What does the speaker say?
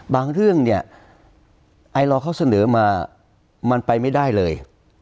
เรื่องเนี่ยไอลอร์เขาเสนอมามันไปไม่ได้เลย